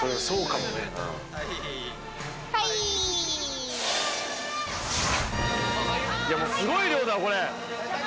もうすごい量だこれ！